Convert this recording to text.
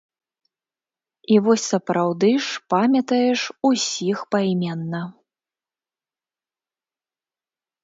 І вось сапраўды ж памятаеш усіх пайменна.